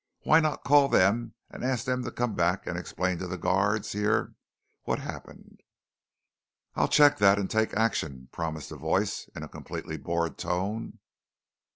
Why not call them and ask them to come back and explain to the guards here what happened?" "I'll check that and take action," promised the voice in a completely bored tone.